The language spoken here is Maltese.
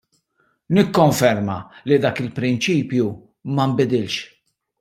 Nikkonferma li dak il-prinċipju ma nbidilx.